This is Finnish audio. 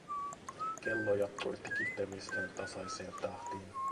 Kello jatkoi tikittämistään tasaiseen tahtiin.